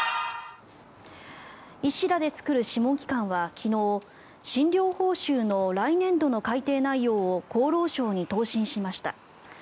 医師らで作る諮問機関は昨日診療報酬の来年度の改定内容を厚労省に答申しました。